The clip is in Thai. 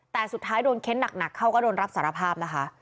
แต่สุดท้ายโดนเค้นหนักเขาก็โดนรับสารภาพนะคะ